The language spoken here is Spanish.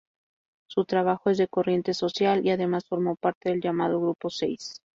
Su trabajo es de corriente social, y además formó parte del llamado Grupo Seis.